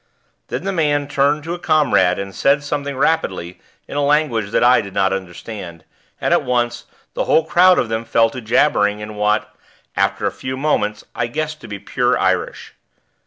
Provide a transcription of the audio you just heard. Then the man turned to a comrade and said something rapidly in a language that I did not understand; and, at once, the whole crowd of them fell to jabbering in what, after a few moments, I guessed to be pure Irish.